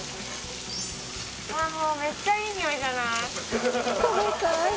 もうめっちゃいい匂いじゃない？